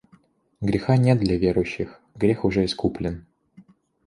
Греха нет для верующих, грех уже искуплен.